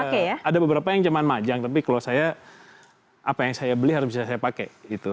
ada beberapa yang cuma majang tapi kalau saya apa yang saya beli harus bisa saya pakai gitu